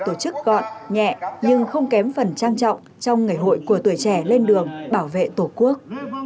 tổ chức gọn nhẹ nhưng không kém phần trang trọng trong ngày hội của tuổi trẻ lên đường bảo vệ tổ quốc